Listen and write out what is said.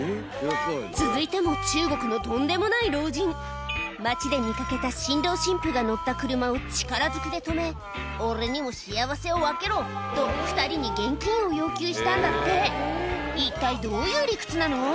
続いても中国のとんでもない老人街で見掛けた新郎新婦が乗った車を力ずくで止め「俺にも幸せを分けろ」と２人に現金を要求したんだって一体どういう理屈なの？